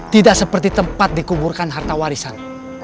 tidak seperti tempat dikuburkan harta warisan